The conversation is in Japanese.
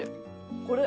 これ。